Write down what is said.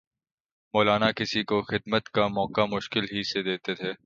مولانا کسی کو خدمت کا موقع مشکل ہی سے دیتے تھے